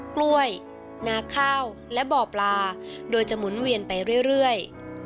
กล้วยนาข้าวและบ่อปลาโดยจะหมุนเวียนไปเรื่อย